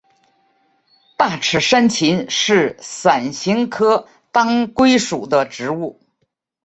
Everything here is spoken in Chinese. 大齿山芹是伞形科当归属的植物。